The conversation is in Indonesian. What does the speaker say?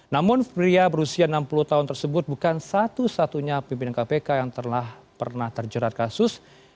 namun pria berusia enam puluh tahun tersebut bukan satu satunya pimpinan kpk yang telah pernah terjerat kasus